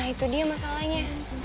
nah itu dia masalahnya